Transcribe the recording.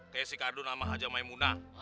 kayak sekardun sama haji maimunah